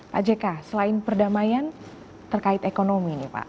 pak jk selain perdamaian terkait ekonomi ini pak